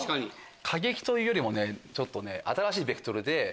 過激というよりもちょっと新しいベクトルで。